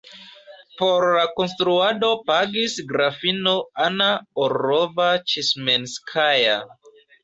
Por la konstruado pagis grafino Anna Orlova-Ĉesmenskaja.